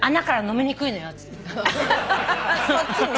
そっちね。